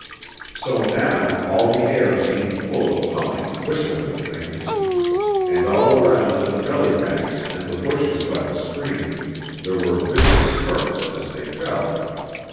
So now all the air seemed full of the humming, whistling things, and all round in the gully banks and the bushes by the stream there were vicious spurts as they fell.